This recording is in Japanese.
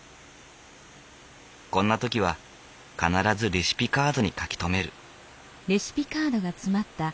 こんな時は必ずレシピカードに書き留める。